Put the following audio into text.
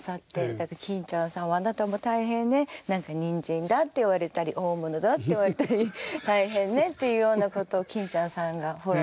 だから欽ちゃんさんは「あなたも大変ね何かにんじんだって言われたり大物だって言われたり大変ね」っていうようなことを欽ちゃんさんがフォローしてくださいました。